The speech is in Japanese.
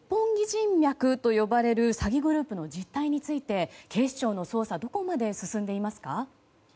人脈と呼ばれる詐欺グループの実態について警視庁の捜査はどこまで進んでいますか？